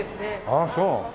ああそう。